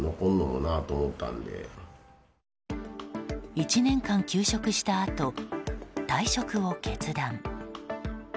１年間休職したあと退職を決断。